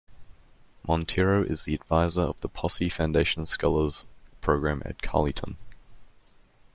Montero is the adviser of the Posse Foundation scholars program at Carleton.